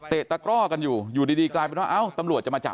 เตะตะกรอกันอยู่อยู่ดีกลายไปแล้วตำรวจจะมาจับ